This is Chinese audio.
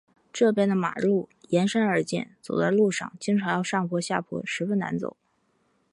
这边的马路沿山而建，走在路上经常要上坡下坡，十分难走。